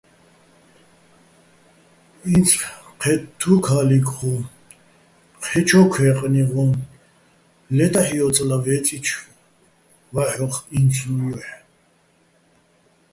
ინც ჴეთთუ́ ქა́ლიქ ღო, ჴე́ჩო̆ ქვეყნი ღო, ლე დაჰ̦ ჲო́წლა ვე́წიჩო̆ ვაჰ̦ოხ ი́ნცლუჼ ჲოჰ̦.